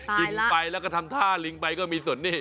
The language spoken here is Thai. กินไปแล้วก็ทำท่าลิงไปก็มีส่วนนี้